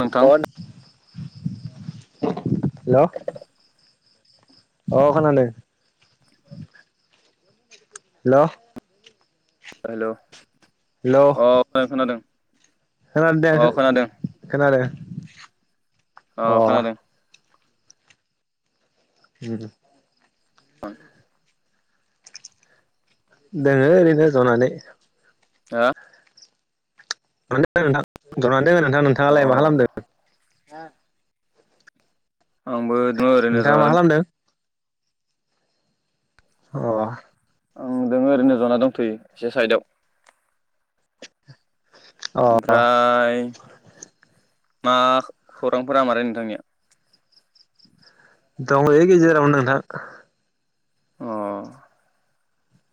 नोंथां नों हेल' अ खोनादों हेल' ओ हेलौ हेल' अ खो-खोनादों। खोनादों दे खो-खोनादों अ उम ओं दोङो ओरैनो ज'नानै आ दंङो नोंथां जनानै दङो नोंथां अ नोंथाङालाय माखालामदो? [inaudible] आंबोदोङो ओरैनो नोंथाङा मा जनादंथ खालामदों अह आं दङो ओरैनो जनादंथ'यो एसे साइदआव। अ ओमफ्राय मा खौरांफोरा मारै नोंथांनिया दंलै गेजेरावनो नोंथां अह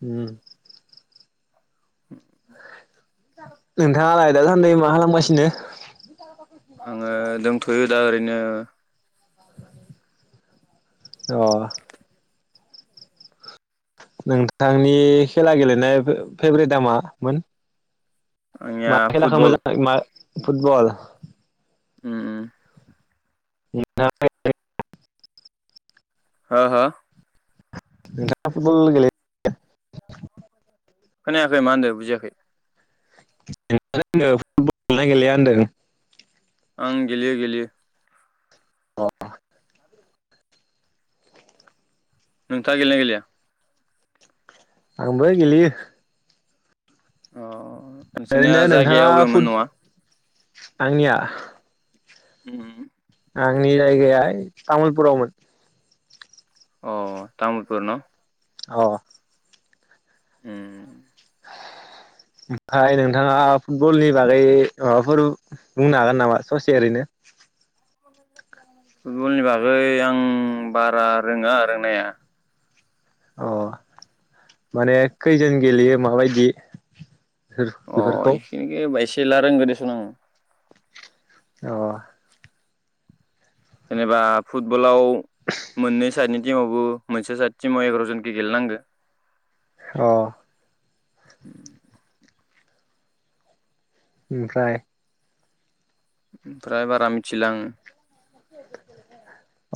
उम [inaudible] नोंथाङालाय दासान्दै माखालामगासिनो? आङो दोंथयो दा ओरैनो। अह। नोंथांनि खेलागेलेनाय फे-फेब्रेदा मा-मोन। आंनिया मा खेलाखो फुटबल मोजांङै मा। फुटबल। उम उम। [unintelligible] हो हो । दा फुटबल गेले [unintelligible] खोनायाखै माहोनदो बुजियाखै। [unintelligible] फुटबल गेलेयोना गेलेया होनदो। आं गेलेयो गेलेयो। अ अ नोंथङा गेलेयोना गेलेनाय? आंबो गेलेयो। अ ओ नोंसानिया जायगाया अबेयावमोन नआ। आंनिआ। उम। आंनि जायगाया ओय तामुलपुरावमोन। अ तामुलपुर न अ उम ओमफाय नोंथाङा फुटबलनिबागै माबाफोर बुंनोहागोननामा ससे ओरैनो। फुटबलनिबागै आं बारारोङा रोंनाया। अ माने खैजोनगेलेयो माबायदि। अ बेफोरखौ इखिनिखौ बायसि खेला रोंगोदेसुन आङो। अ जेनेबा फुटबलआव मोननैस दानि दिमावबो मोनसे सादथिमाव एग्रजन गेलेनांगौ अ ओमफ्राय ओमफ्राय बारा मिथिला आङो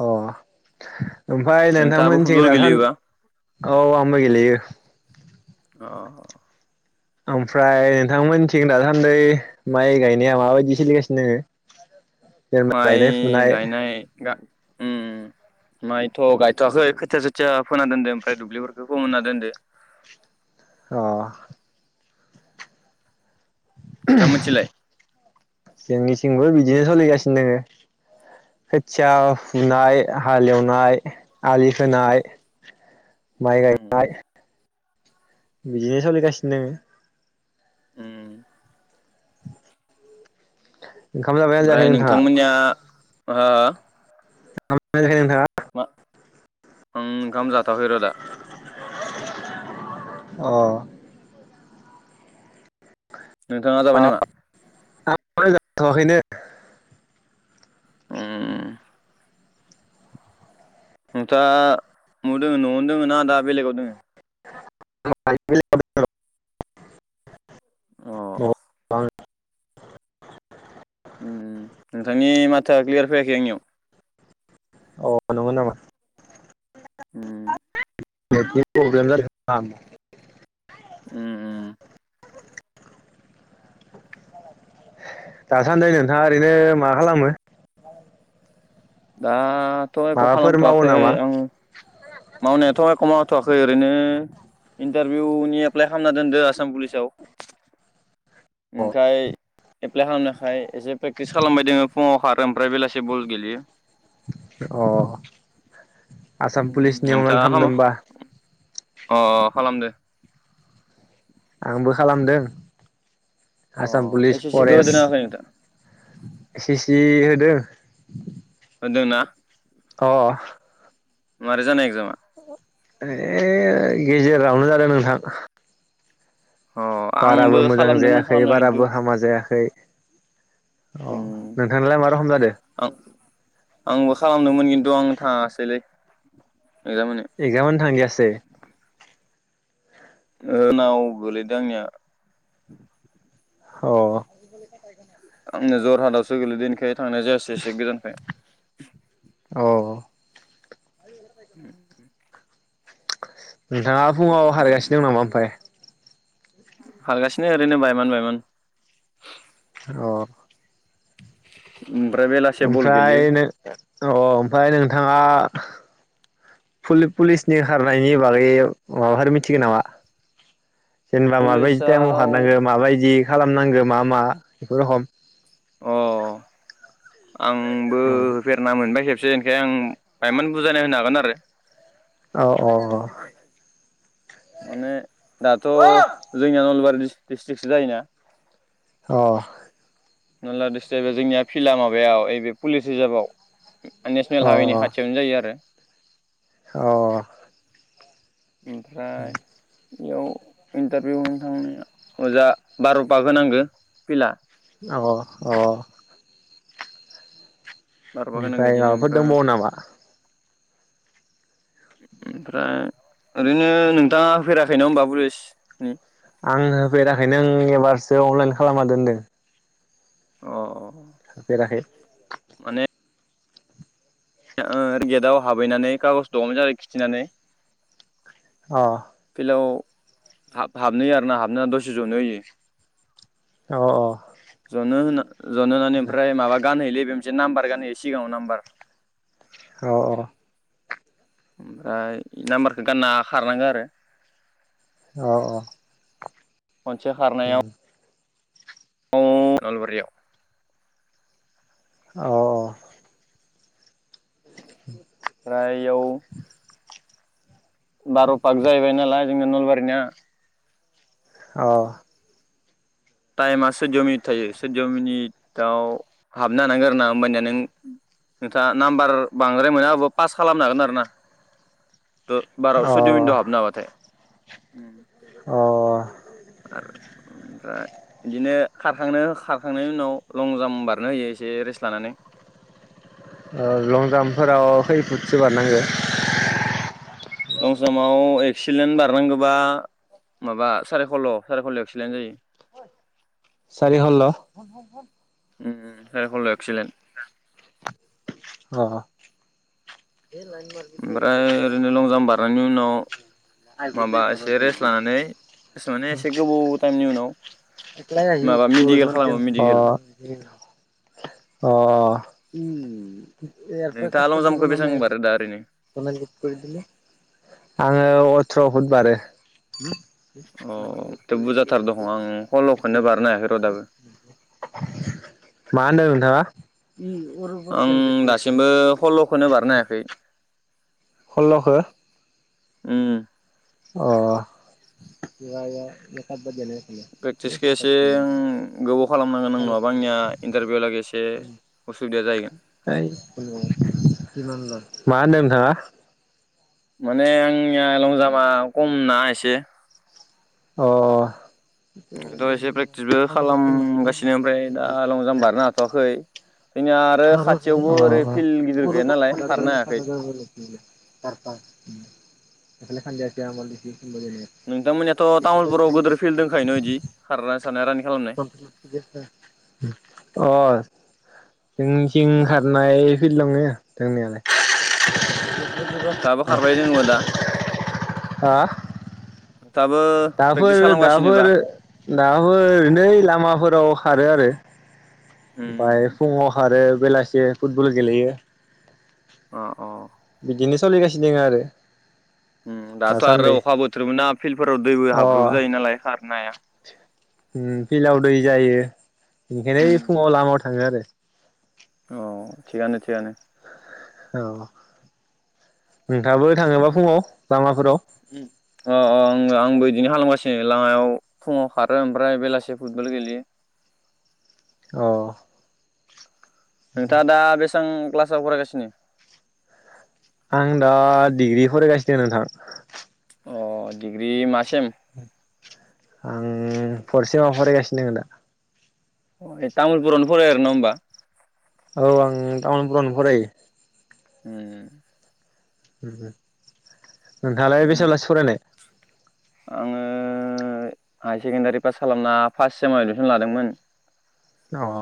अ ओमफाय नोंथाङाबो नोंथांमोननिथिं फुटबल दासान गेलेयोबा औ आंबो गेलेयो अ अ ओमफ्राय नोंथां मोननिथिं दासान्दै माइ गायनाइ आ माबायदि सोलिगासिनो दोङो जेनेबा गायनाय माय फुनाय गाइनाय गा उम माइथ गायथवाखै खोथिया सोथिया फोना दोनदो ओमफ्राय दुब्लिफोरखौ फोमोनना दोनदो अ नोंथां मोनथिलाय जेंनिथिंबो बि बिदिनो सोलिगासिनो दोङो खोथिया फुनाय हालेवनाय आलि खोनाय माइ उम उम गायनाय बिदिनो सोलिगासिनो उम [inaudible] ओंखाम जाबाय ना जायाखै नोंथाङा? ओह ओह [unintelligible] मा उम ओंखाम जाथवाखै र दा अ नोंथाङा जाबाय नामा [unintelligible] जाथवाखैनो उम उम नोंथाङा मौ दोङो न'आवनो दोङो ना दा बेलेगाव दोङो [unintelligible] अ [unintelligible] नोंथांनि माथो आ क्लियार फैयाखै आंनियाव अ [unintelligible] नामा उम [unintelligible] उम उम उम दासान्दै नोंथाङा ओरैनो मा खालामो दा थ' एख माबाफोर मावो खालामथवाखै नामा आं मावनायाथ एख मावा थवाखै ओरैनो इन्टारभिउनि एप्लाइ खालामना दोनदो आसाम पुलिसाव ओमफ्राय एप्लाइ खालामनायखाय एसे प्रेक्टिस खालामबाय दोङो फुङाव खारो ओमफ्राय बेलासि बल गेलेयो अ आसाम पुलिस नि नोंथाङा खाम [unintelligible] अ खालामदो आंबो खालामदों अ Assam police S S C खौ फरेस होदोना होआखै नोंथां एसे एसे होदों होदोंना? अ मारै जानाय एगजामा? ए गेजेरावनो जादों नोंथां अ आंबो बाराबो मोजां खालामदोंमोन जायाखै खालामनाया बाराबो हामा जायाखै अ ओम नोंथांनालाय मा रखम जादो आं आंबो खालामदोंमोन खिन्थु आं थाङासैलै एगजाम होनो इक्जाम होनो थांजायासै ओ नाव गोलैदों आंनिया अ आंनो जरहाटावसो गोलैदोंओंखाय थांनाय जायासै एसे गोजानखाय [inaudible] अ ओम ओम नोंथाङा फुङाव हारगासिनो नामा आमफाय? हालगासिनो ओरैनो बायमान बायमान अ ओमफ्राय बेलासे बल गेलेयो ओमफ्राय नो ओ अ ओमफाय नों थाङा पुलि-पुलिसनि हारनायनि बागै माबाफोर मिथिगोन नामा? जेनेबा माबायदि टाइमाव कलेजाव खारनांगौ माबायदि खालामनांगो मा मा बेफोर रखम अ आंबो अ होफेरना मोनबाय जेब [unintelligible] आं बायमोन बुजायना होनो हागोन आरो औ औ औ माने दाथ' जोंनिया नलबा दिस डिस्टिकसो जायोना अ नाला दिस्थ जायोबा जोंनिया फिलआ माबायाव ओइ बे पुलिस रिजार्भआव अ नेसनेल हावेनि हाथियावनो जायो आरो अ ओमफ्राय बेयाव इन्टारभिउ होनो थांनाया अजा बार'फाग होनांगो फिला अ अ बार' बाग होनांगो ओमफ्राय बिदिनो माबाफोर ओमफ्राय दंबावो नामा ओमफ्राय ओरैनो नोंथाङा होफेराखै नङा होनबा फुलिसनि आं होफेरेराखैनो ओं एबारसो अनलाइन खालामा दोनदों अ अ थाफेराखै माने ओ गेटाव हाबहैनानै खागज मोजाङै खिथिनानै अ फिलाव हाब हाबनो होयो आरो ना हाबाना दसे जनो होयो अ जनो होना जननानै ओमफ्राय माबा गानहोयोलै बे मोनसे नाम्बार गानहोयो सिगाङाव नाम्बार औ औ ओमफ्राय नाम्बारखो गानना खारनांगो आरो औ औ खनसे खारनायाव [inaudible] खालबारियाव औ [inaudible] ओमफ्राय याव बार पाक जाहैबाय नालाय जोंना नलबारिनिया ओ टाइमा सैद मिनिट थायो सैद मिनिटाव हाबनो हानांगोन आरो ना होमबानिया नों नोंथाङा नाम्बार बांद्राय मोनाबाबो पास खालामनो हागोन आरो ना थ अ बाराव सुयद मिनिट आव हाबनो हाबाथाय अ ओमफ्राय बिदिनो खारखांनो खारखांनायनि उनाव लं जाम्प बारनो होयो एसे रेस्ट लानानै लं जाम्पफोराव खै फुदसो बारनांगो लं जाम्पआव एक्सिलेन्ट बारनांगौबा माबा सारे खल्ल' सारै खल्ल' एक्सिलेन्ट जायो सारि हल्ल' उम हल्लआव एक्सिलेन्ट अ ओमफ्राय ओरैनो लं जाम्प बारनायनि उनाव माबा एसे रेस्ट लानानै माने एसे गोबाव टाइमनि उनाव माबा मेडिकेल खालामो मेडिकेल [unintelligible] उम नोंथाङा लं जाम्पखौ बेसेबां [unintelligible] दा ओरैनो आङो अथ्र' फुट बारो अ बुरजाथार दङ आं हल'खौनो बारनो हायाखै र' दाबो [unintelligible] मा होनदों नोंथाङा [inaudible] आं दासिमबो सल्ल'खौनो बारनो हायाखै सल्ल'खो उम। अ। प्रेक्टिसखौ एसे मा गोबाव खालामनांगोन आं नङाबा आंनिया इन्टारभिउ लागै एसे होनदों उसुबिदा जाहैगोन नोंथाङा। [inaudible] माने आंनिया लंजामा खम ना एसे। अ। थ' एसे प्रेक्टिसबो खालामगासिनो ओमफ्राय दा लं जाम्प बारनो हाथ'वाखै। जोंनिया आरो खाथियावबो ओरै फिल्ड गिदिर गैया नालाय खारनो हायाखै [inaudible] [unintelligible] नोंथांमोननियाथ' तामुलपुराव गेदेर फिल्ड दंखायोन' इदि खारनो अ। जोंनिथिं अ खारनाय फिल्ड दंङ दोंनायालाय। दाबो खारबाय दोङ दा। हा। नोंथाङाबो दाफोर प्रेक्टिस खालामगासिनोबा दाफोर दाफोरओरैनै लामाफोराव खारो आरो। ओमफ्राय उम फुङाव खारो। बेलासि फुटबल गेलेयो। अ अ। बिदिनो सोलिगासिनो दं आरो। उम दाथ' आरो दासान्दि अखा बोथोरबो ना फिल्डफोराव दैबो अ हाब्रबो जायो नालाय खारनाय हाया। फिल्डाव दै जायो। बेनिखायनो फुङाव लामायाव थाङो आरो। अ थिगानो थिगानो। औ। नोंथाङाबो थाङोबा फुङाव लामाफोराव। अ आं आंबो बिदिनो खालामगासिनो लामायाव फुङाव खारो ओमफ्राय बेलासि फुटबल गेलेयो। औ। नोंथा दा बे बेसेबां क्लासाव फरायगासिनो। आं दा डिग्रि फरायगासिनो नोंथां। अ डिग्रि मासेम। आं फरसेमाव फरायगासिनो दङ दा। ए तामुलपुरावनो फरायै आरना होमबा। औ आं टामुलफुरावनो फरायो। उम उम। [inaudible] नोंथाङालाय थिगानो बेसेयाव लासे फरायनाय? आङो हाय सेकेणडारि पास खालामना फास सेमाव एदमिसन लादोंमोन ओ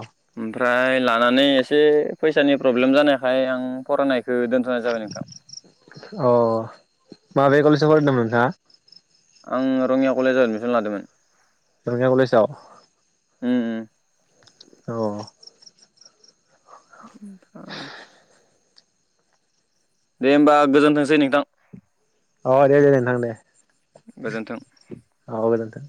ओमफ्राय लानानै एसे फैसानि प्रब्लेम जानायखाय आं फरायनाय ओ दोनथ'नाय जाबाय नोंथां अ माबे कलेजाव फरायदोंमोन नोंथाङा? आं रङिया कलेजाव एडमिसन लादोंमोन रङिया कलेजाव? उम उम औ [unintelligible] दे होमबा गोजोनथोंसै नोंथां अ दे दे नोंथां दे गोजोनथों औ गोजोनथों